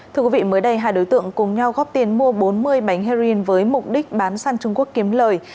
thưa quý vị mới đây hai đối tượng cùng nhau góp tiền mua bốn mươi bánh heroin với mục đích bán săn trung quốc kiếm lời